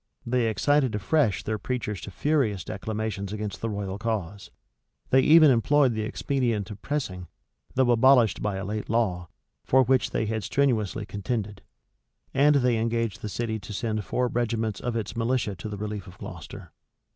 They excited afresh their preachers to furious declamations against the royal cause. They even employed the expedient of pressing, though abolished by a late law, for which they had strenuously contended.[*] And they engaged the city to send four regiments of its militia to the relief of Gloucester.